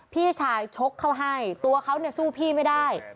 พี่ชายชกเขาให้ตัวเขาเนี่ยสู้พี่ไม่ได้